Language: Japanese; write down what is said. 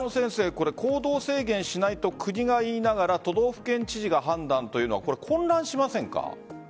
これ行動制限しないと国が言いながら都道府県知事が判断というのは混乱しませんか？